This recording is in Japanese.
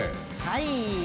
はい。